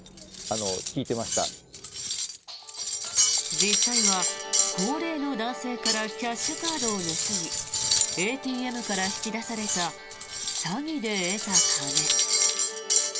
実際は高齢の男性からキャッシュカードを盗みＡＴＭから引き出された詐欺で得た金。